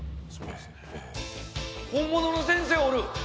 本物の先生おる。